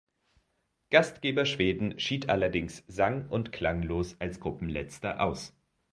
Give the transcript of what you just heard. Gastgeber Schweden schied allerdings sang- und klanglos als Gruppenletzter aus.